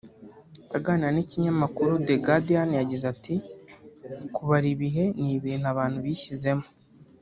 Aganira n’ikinyamakuru The Guardian yagize ati “ Kubara ibihe ni ibintu abantu bishyizemo